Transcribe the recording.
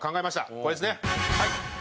これですね。